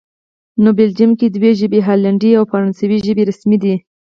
نو بلجیم کې دوه ژبې، هالندي او فرانسوي ژبې رسمي دي